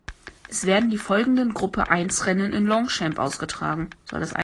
Es werden die folgenden Gruppe I-Rennen in Longchamp ausgetragen.